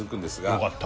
よかった。